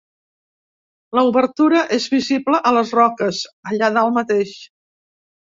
L'obertura és visible a les roques, allà dalt mateix.